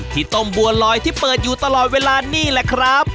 ที่ต้มบัวลอยที่เปิดอยู่ตลอดเวลานี่แหละครับ